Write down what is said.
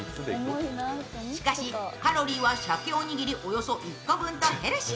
しかし、カロリーはしゃけおにぎりおよそ１個分とヘルシー。